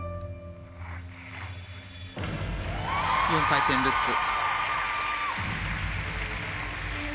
４回転ルッツ。